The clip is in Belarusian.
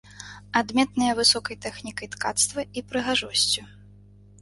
Адметныя высокай тэхнікай ткацтва і прыгажосцю.